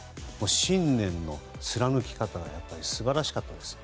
信念の貫き方が素晴らしかったです。